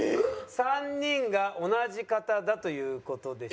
３人が同じ方だという事で。